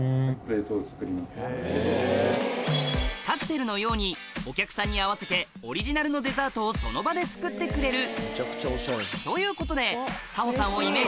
カクテルのようにお客さんに合わせてオリジナルのデザートをその場で作ってくれるということでうわすごい！